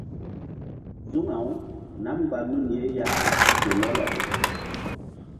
Suŋaw nam mgba nun ye ya ke lɔlɔ.